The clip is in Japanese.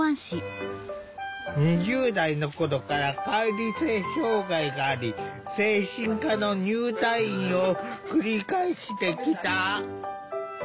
２０代の頃から解離性障害があり精神科の入退院を繰り返してきた。